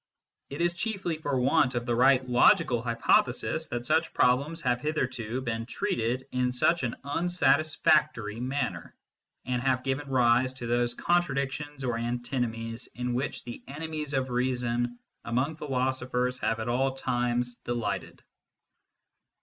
It is chiefly for want of the right logical hypothesis that such problems have hitherto been treated in such an un satisfactory manner, and have given rise to those con tradictions or antinomies in which the enemies of reason among philosophers have at all times delighted.